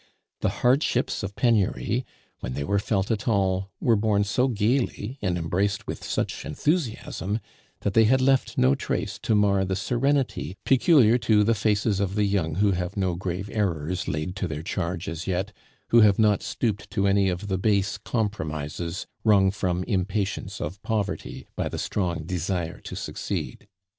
The hardships of penury, when they were felt at all, were born so gaily and embraced with such enthusiasm, that they had left no trace to mar the serenity peculiar to the faces of the young who have no grave errors laid to their charge as yet, who have not stooped to any of the base compromises wrung from impatience of poverty by the strong desire to succeed.